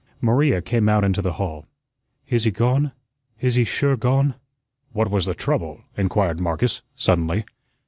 Maria came out into the hall. "Is he gone? Is he sure gone?" "What was the trouble?" inquired Marcus, suddenly.